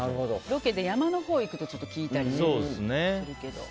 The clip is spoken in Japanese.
ロケで山のほうに行くと聞いたりするけど。